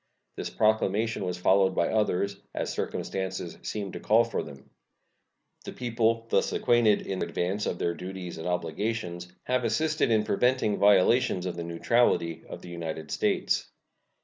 This proclamation was followed by others, as circumstances seemed to call for them. The people, thus acquainted in advance of their duties and obligations, have assisted in preventing violations of the neutrality of the United States.